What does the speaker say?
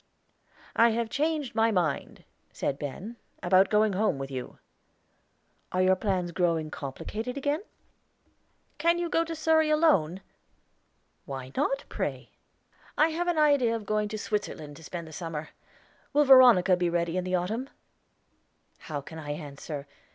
"I have changed my mind," said Ben, "about going home with you." "Are your plans growing complicated again?" "Can you go to Surrey alone?" "Why not, pray?" "I have an idea of going to Switzerland to spend the summer. Will Veronica be ready in the autumn?" "How can I answer?